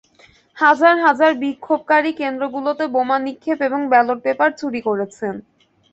হাজার হাজার বিক্ষোভকারী কেন্দ্রগুলোতে বোমা নিক্ষেপ এবং ব্যালট পেপার চুরি করেছেন।